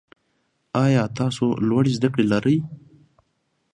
ایا تاسو لوړې زده کړې لرئ؟